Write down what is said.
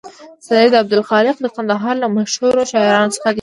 سید عبدالخالق د کندهار له مشهور شاعرانو څخه دی.